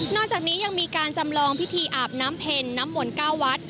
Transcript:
นอกจากนี้ยังมีการจำลองพิธีอาบน้ำเพลินน้ำหมวนเก้าวัสต์